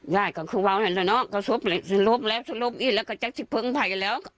ย่ายก็คือว้าวเนี่ยแล้วเนาะก็สวบลิสวบลิสวบลิแล้วสวบลิแล้วก็จะที่เพิ่งไผ่แล้ว